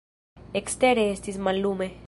Ekstere estis mallume.